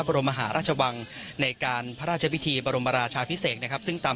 พระบรมมหาราชวังในการพระราชพิธีบรมราชาพิเศษนะครับซึ่งตาม